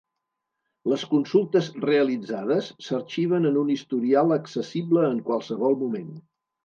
Les consultes realitzades s'arxiven en un historial accessible en qualsevol moment.